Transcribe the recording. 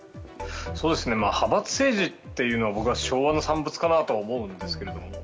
派閥政治っていうのは僕は昭和の産物かなと思うんですけど。